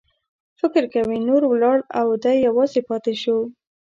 فکر کوي نور ولاړل او دی یوازې پاتې شو.